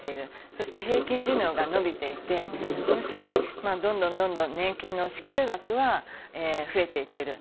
そして、平均寿命が延びていてどんどん、年金の支給額は増えていっている。